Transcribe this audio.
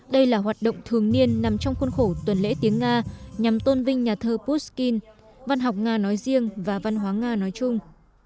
đây là hoạt động thường niên nằm trong khuôn khổ tuần lễ tiếng nga nhằm tôn vinh nhà thơ pushkin văn học nga nói riêng và văn hóa nga nói chung